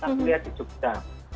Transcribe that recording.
kita kuliah di jogja